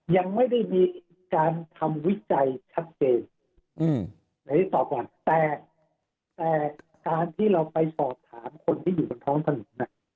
ยังไม่ได้มีการทำวิจัยชัดเจนแต่การที่เราไปสอบถามคนที่อยู่บนท้องถนน